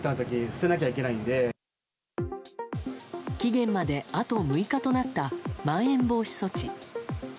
期限まであと６日となったまん延防止措置。